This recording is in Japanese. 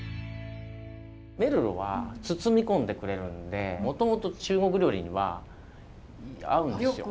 メルローは包み込んでくれるんでもともと中国料理には合うんですよ。